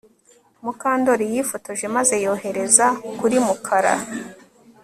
Mukandoli yifotoje maze yohereza kuri Mukara